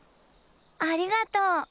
ありがとう。